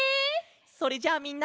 それじゃあみんな。